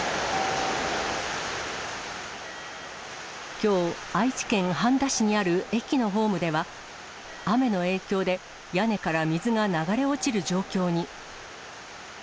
きょう、愛知県半田市にある駅のホームでは、雨の影響で屋根から水が流れ落ちる状況に。